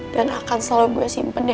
dan akan selalu gue simpen ya